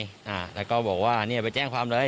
มันแจ้งว่านี่ไปแจ้งความเลย